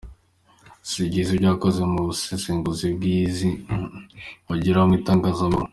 Sibyiza ibyo wakoze mu busesenguzi bwiza nzi ugira mu itangazamakuru.